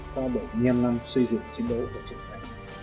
qua bảy mươi năm năm xây dựng chiến đấu và truyền thống